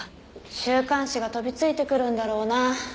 週刊誌が飛びついてくるんだろうな。